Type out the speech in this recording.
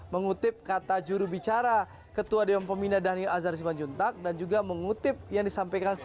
mengutip kata jurubicara ketua dewan pemindahan daniel azhar siman juntag dan juga mengutip yang disampaikan saya